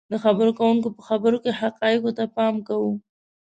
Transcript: . د خبرې کوونکي په خبرو کې حقایقو ته پام کوو